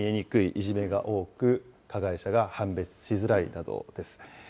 目に見えにくいいじめが多く、加害者が判別しづらいなどです。